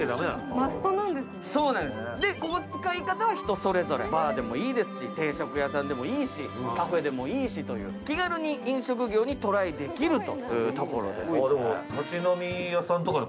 この使い方はそれぞれ、バーでもいいですし、定職屋さんでもいいし、カフェでもいいでもし、気軽に飲食店にトライできると。